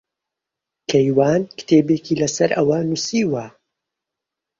کەیوان کتێبێکی لەسەر ئەوە نووسیوە.